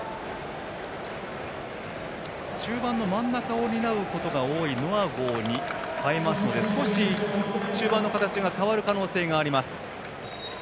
中盤の真ん中を担うことが多いノアゴーに代えますので少し中盤の形が変わる可能性があります。